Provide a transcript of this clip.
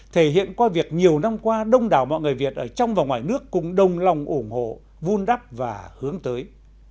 thể hiện qua việc nhiều năm qua đông đảo mọi người việt ở trong và ngoài nước cùng đồng lòng ủng hộ vun đắp và hướng tới